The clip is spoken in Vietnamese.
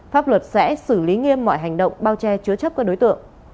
pháp luật sẽ xử lý nghiêm mọi hành động bao che chứa chấp các đối tượng